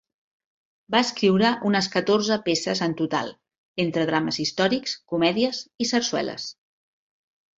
Va escriure unes catorze peces en total, entre drames històrics, comèdies i sarsueles.